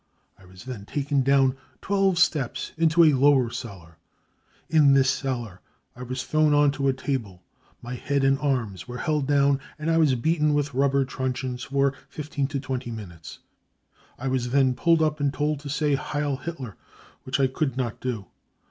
I was then taken down twelve steps into a lower cellar. In this cellar, I was thrown on to a table. My head and arms were held down, and I was beaten with rubber truncheons for 15 to 20 minutes. I was then pulled up and told to say £ Heil Hitler/ which I could not do.